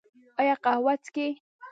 ایا قهوه څښئ؟